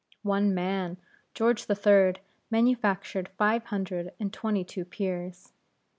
One man, George III., manufactured five hundred and twenty two peers.